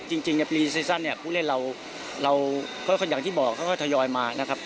จริงในปีซีซั่นเนี่ยผู้เล่นเราก็อย่างที่บอกเขาก็ทยอยมานะครับ